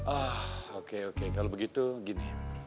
ah oke oke kalau begitu gini